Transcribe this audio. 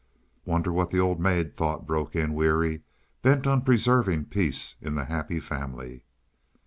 "Wonder what the old maid thought," broke in Weary, bent on preserving peace in the Happy Family.